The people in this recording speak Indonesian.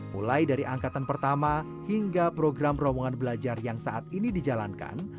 mulai dari angkatan pertama hingga program rombongan belajar yang saat ini dijalankan